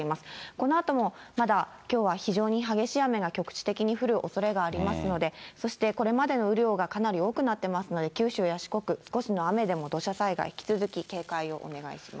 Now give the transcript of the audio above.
このあともまだ、きょうは非常に激しい雨が、局地的に降るおそれがありますので、そしてこれまでの雨量がかなり多くなってますので、九州や四国、少しの雨でも、土砂災害、引き続き警戒をお願いします。